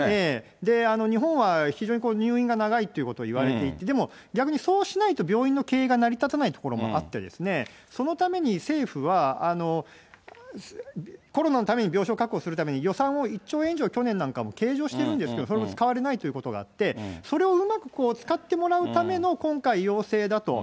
日本は非常にこう、入院が長いということをいわれていて、でも逆にそうしないと、病院の経営が成り立たないところもあって、そのために政府は、コロナのために病床確保するために、予算を１兆円以上、去年なんかも計上してるんですけれども、それも使われないということがあって、それをうまくこう、使ってもらうための今回、要請だと。